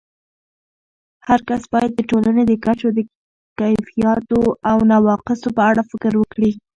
هرکس باید د ټولنې د کچو د کیفیاتو او نواقصو په اړه فکر وکړي.